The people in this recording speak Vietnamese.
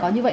có như vậy